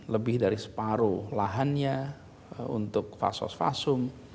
lebih dari separuh lahannya untuk fasos fasum